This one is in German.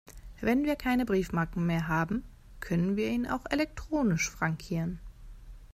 Wenn wir keine Briefmarken mehr haben, können wir ihn auch elektronisch frankieren.